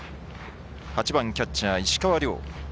８番キャッチャー石川亮。